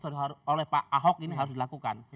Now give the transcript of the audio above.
eh maaf pak ahok ini harus dilakukan